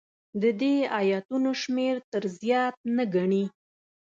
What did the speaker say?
د دې ایتونو شمېر تر زیات نه ګڼي.